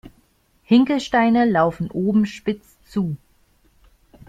Hinkelsteine laufen oben spitz zu.